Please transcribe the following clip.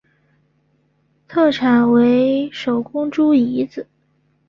特产为手工猪胰子。